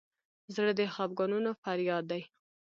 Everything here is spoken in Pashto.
زړه د خفګانونو فریاد دی.